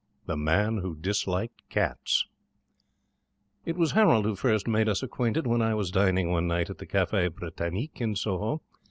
THE MAN WHO DISLIKED CATS It was Harold who first made us acquainted, when I was dining one night at the Cafe Britannique, in Soho.